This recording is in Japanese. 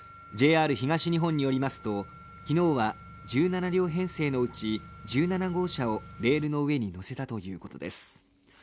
ＪＲ東日本によりますと昨日は１７両編成のうち１７号車をレールの上に載せたということです。